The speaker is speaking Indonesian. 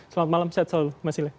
selamat malam sehat selalu mas ile